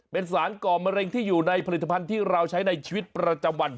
เป็นสารก่อมะเร็งที่อยู่ในผลิตภัณฑ์ที่เราใช้ในชีวิตประจำวัน